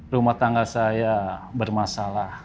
rumah tangga saya bermasalah